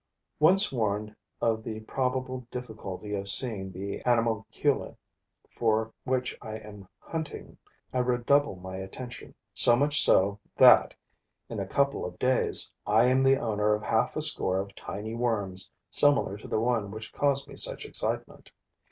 Once warned of the probable difficulty of seeing the animalcule for which I am hunting, I redouble my attention, so much so that, in a couple of days, I am the owner of half a score of tiny worms similar to the one which caused me such excitement.